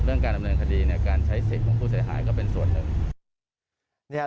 เรื่องการดำเนินคดีการใช้เสียงของผู้เสียหายก็เป็นส่วนหนึ่ง